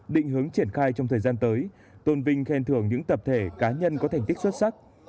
định hướng triển khai trong thời gian tới tôn vinh khen thưởng những tập thể cá nhân có thành tích xuất sắc